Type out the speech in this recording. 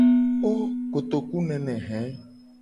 Oooooo kotoku ne hee!